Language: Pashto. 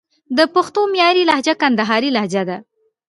د پښتو معیاري لهجه کندهارۍ لجه ده